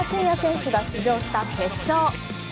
手が出場した決勝。